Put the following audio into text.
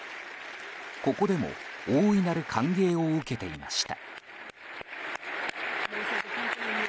ここでも大いなる歓迎を受けていました。